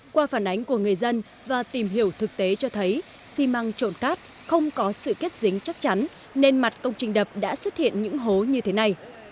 qua phản ánh của người dân và tìm hiểu thực tế cho thấy xi măng trộm cát không có sự kết dính chắc chắn nên mặt công trình đập đã xuất hiện những hố như thế này